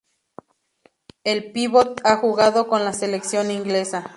El pívot ha jugado con la selección inglesa.